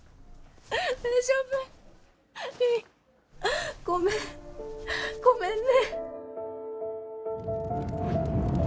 大丈夫？凛ごめんごめんね。